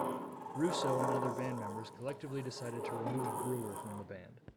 Russo and other band members collectively decided to remove Brewer from the band.